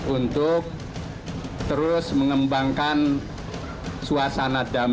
untuk terus mengembangkan suasana damai